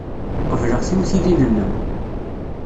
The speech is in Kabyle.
Qebleɣ tiwtilin-nnem.